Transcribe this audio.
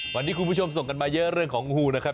วันนี้คุณผู้ชมส่งกันมาเยอะเรื่องของงูนะครับ